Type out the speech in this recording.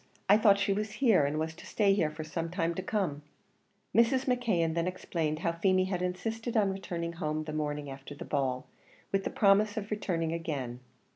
I thought she was here, and was to stay here for some time to come." Mrs. McKeon then explained how Feemy had insisted on returning home the morning after the ball, with the promise of returning again.